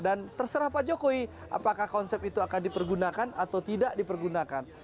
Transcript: dan terserah pak jokowi apakah konsep itu akan dipergunakan atau tidak dipergunakan